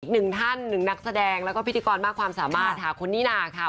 อีกหนึ่งท่านหนึ่งนักแสดงแล้วก็พิธีกรมากความสามารถค่ะคุณนิน่าค่ะ